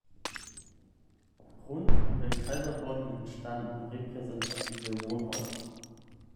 Rund um den Kaiserbrunnen entstanden repräsentative Wohnhäuser.